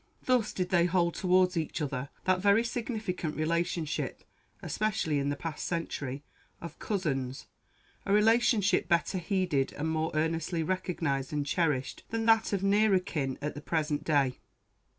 Thus did they hold towards each other that very significant relationship especially in the past century of "cousins" a relationship better heeded and more earnestly recognized and cherished than that of nearer kin at the present day.